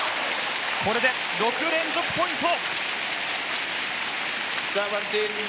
これで６連続ポイント！